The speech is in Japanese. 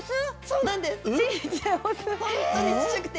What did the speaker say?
そうなんです。